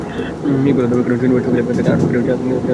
ইকবালও দাবি করেন, শনিবার সকালে তাঁকে আটক করে চান্দগাঁও থানার পুলিশ।